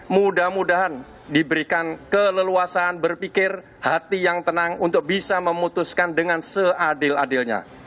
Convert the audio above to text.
mudah mudahan diberikan keleluasaan berpikir hati yang tenang untuk bisa memutuskan dengan seadil adilnya